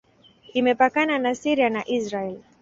Imepakana na Syria na Israel.